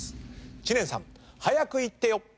知念さん早くイッてよ！